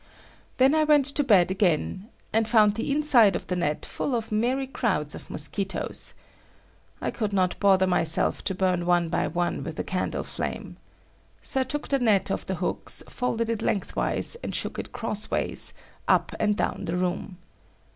Then I went to bed again, and found the inside of the net full of merry crowds of mosquitoes. I could not bother myself to burn one by one with a candle flame. So I took the net off the hooks, folded it the lengthwise, and shook it crossways, up and down the room.